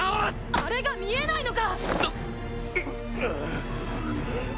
あれが見えないのか！